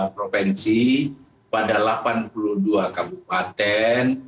enam belas provinsi pada delapan puluh dua kabupaten